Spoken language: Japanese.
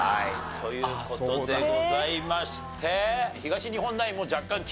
という事でございまして。